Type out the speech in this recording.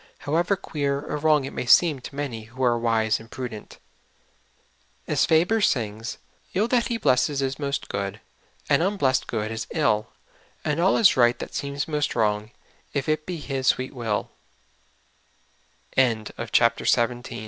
ever queer or wrong it may seem to many who are wise and prudent. As Faber sings: " 111 that He blesses is most good, And unblest good is ill, And all is right that seems most wrong, If it be His swee